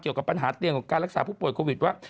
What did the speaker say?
เกี่ยวกับปัญหาเตียงของการรักษาผู้ป่วยโควิดว่า